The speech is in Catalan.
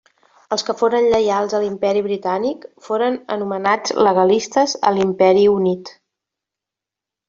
Els que foren lleials a l'Imperi Britànic foren anomenats legalistes a l'Imperi Unit.